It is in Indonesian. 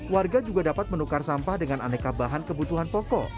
warga juga dapat menukar sampah dengan aneka bahan kebutuhan pokok